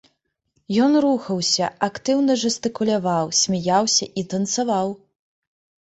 Ён рухаўся, актыўна жэстыкуляваў, смяяўся і танцаваў!